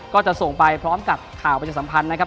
ก็จะส่งไปพร้อมกับข่าวประชาสัมพันธ์นะครับ